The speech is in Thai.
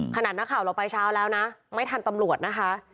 ขนาดนักข่าวเราไปเช้าแล้วนะไม่ทันตำรวจนะคะ